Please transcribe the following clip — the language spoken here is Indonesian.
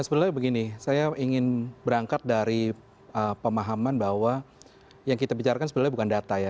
sebenarnya begini saya ingin berangkat dari pemahaman bahwa yang kita bicarakan sebenarnya bukan data ya